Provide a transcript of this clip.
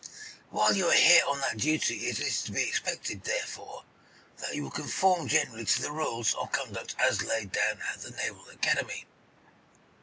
While you are here on that duty it is to be expected, therefore, that you will conform generally to the rules of conduct as laid down at the Naval Academy."